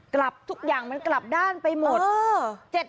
กลับทุกอย่างมันกลับด้านไปหมด